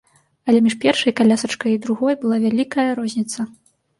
Але між першай калясачкай і другой была вялікая розніца.